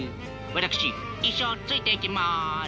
私一生ついていきます。